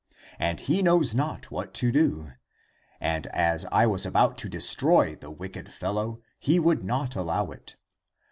And he knows not what to do. And as I was about to destroy the wicked fellow, he would not allow it.